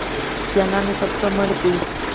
جانان مې پر خوله مړ دی.